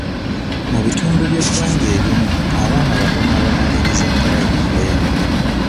Mu bitundu eby'eggwanga ebimu abaana batono abamaliririza pulayimale.